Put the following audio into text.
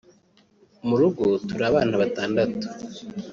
Mu rugo turi abana batandatu